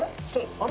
あれ？